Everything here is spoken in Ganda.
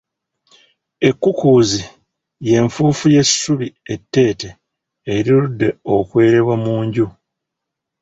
Ekkukuuzi y'enfuufu y'essubi etteete erirudde okwerebwa mu nju .